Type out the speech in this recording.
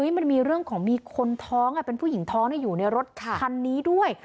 มันมีเรื่องของมีคนท้องเป็นผู้หญิงท้องอยู่ในรถคันนี้ด้วย